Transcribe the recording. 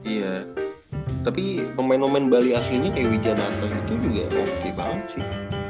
iya tapi pemain pemain bali aslinya kayak wijananto gitu juga oke banget sih